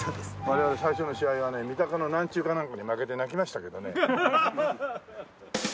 我々最初の試合はね三鷹の何中かなんかに負けて泣きましたけどね。